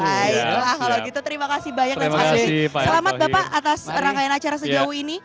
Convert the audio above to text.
baiklah kalau gitu terima kasih banyak dan selamat bapak atas rangkaian acara sejauh ini